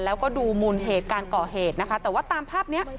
แล้วก็ดูมูลเหตุการก่อเหตุนะคะแต่ว่าตามภาพเนี้ย